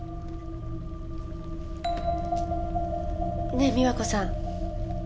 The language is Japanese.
ねえ美和子さん。